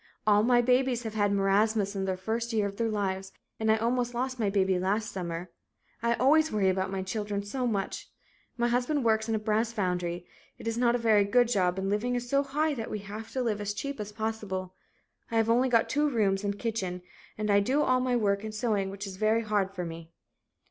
All my babies have had marasmus in the first year of their lives and I almost lost my baby last summer. I always worry about my children so much. My husband works in a brass foundry it is not a very good job and living is so high that we have to live as cheap as possible. I've only got 2 rooms and kitchen and I do all my work and sewing which is very hard for me."